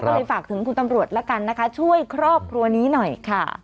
ก็เลยฝากถึงคุณตำรวจละกันนะคะช่วยครอบครัวนี้หน่อยค่ะ